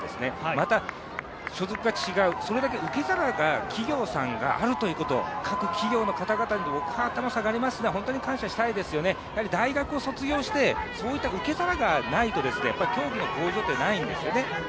また所属が違う、それだけ受け皿が、企業さんがあるということ、各企業の方々には本当に感謝したいですね、大学を卒業してそういった受け皿がないと競技の向上ってないんですよね。